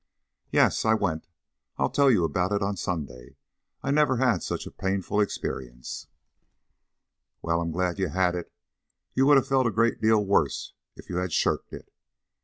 "Yes, I went! I'll tell you all about it on Sunday. I never had such a painful experience." "Well, I'm glad you had it. You would have felt a great deal worse if you had shirked it.